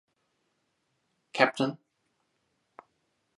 Capt.